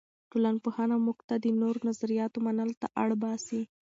ټولنپوهنه موږ ته د نورو نظریاتو منلو ته اړ باسي.